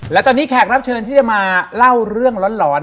และตอนนี้แขกรับเชิญที่จะมาเล่าเรื่องหลอน